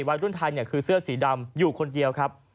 วัยรุ่นไทยคือเสื้อสีดำอยู่คนเดียวครับ